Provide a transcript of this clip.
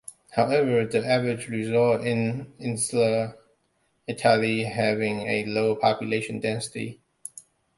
However, the average results in Insular Italy having a low population density.